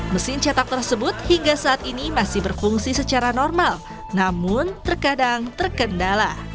mesin cetak tersebut hingga saat ini masih berfungsi secara normal namun terkadang terkendala